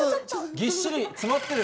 ぎっしり詰まってる。